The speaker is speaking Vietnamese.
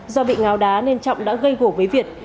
do bị ngáo đá nên trọng đã gây gỗ với việt